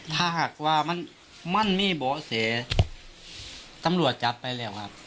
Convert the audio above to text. ถ้าหากว่ามันมันมีเบาะแสตำรวจจับไปแล้วครับ